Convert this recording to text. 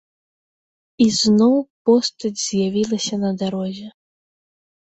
І зноў постаць з'явілася на дарозе.